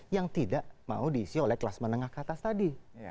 yang tidak mau diisi oleh kelas menengah ke atas tadi